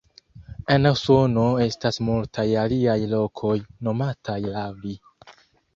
En Usono estas multaj aliaj lokoj nomataj laŭ li.